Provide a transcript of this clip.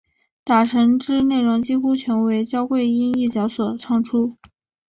打神之内容几乎全为焦桂英一角所唱出。